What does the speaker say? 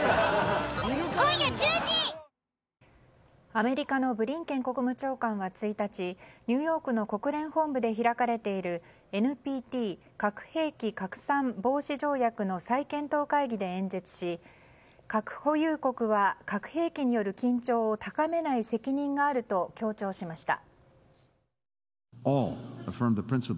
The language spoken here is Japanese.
アメリカのブリンケン国務長官は１日ニューヨークの国連本部で開かれているＮＰＴ・核兵器拡散防止条約の再検討会議で演説し核保有国は核兵器による緊張を高めない責任があると強調しました。